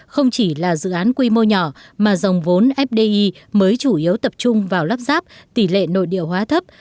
không chỉ là dự án quy mô nhỏ mà dòng vốn fdi mới chủ yếu tập trung vào lắp ráp tỷ lệ nội địa hóa thấp